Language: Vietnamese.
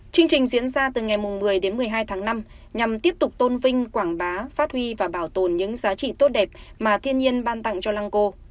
chương trình diễn ra từ ngày một mươi đến một mươi hai tháng năm nhằm tiếp tục tôn vinh quảng bá phát huy và bảo tồn những giá trị tốt đẹp mà thiên nhiên ban tặng cho lăng cô